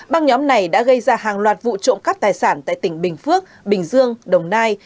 băng nhóm này đã gây ra hàng loạt vụ trộm cắp tài sản tại tỉnh bình phước bình dương đồng nai